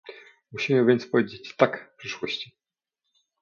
Musimy więc powiedzieć "tak" przyszłości